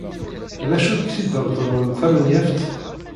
D acu-tt tidelt-nwent tamenyaft?